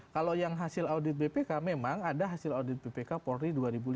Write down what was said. kalau yang hasil audit bpk memang ada hasil audit bpk polri dua ribu lima belas